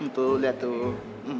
tuh lihat tuh